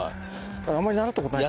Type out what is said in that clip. あんまり習った事ない。